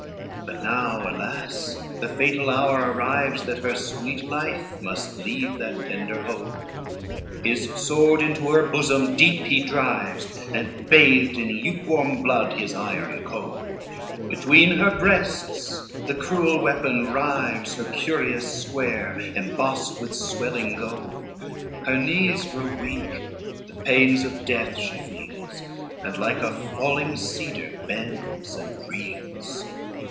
LXIV But now, alas, the fatal hour arrives That her sweet life must leave that tender hold, His sword into her bosom deep he drives, And bathed in lukewarm blood his iron cold, Between her breasts the cruel weapon rives Her curious square, embossed with swelling gold, Her knees grow weak, the pains of death she feels, And like a falling cedar bends and reels.